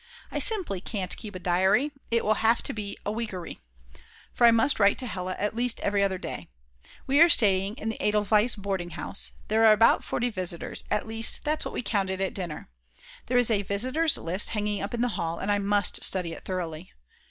I simply can't keep a diary; it will have to be a weekary. For I must write to Hella at least every other day. We are staying in the Edelweiss boarding house; there are about 40 visitors, at least that's what we counted at dinner. There is a visitors' list hanging up in the hall, and I must study it thoroughly.